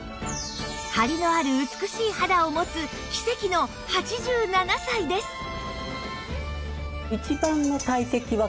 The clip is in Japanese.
ハリのある美しい肌を持つ奇跡の８７歳です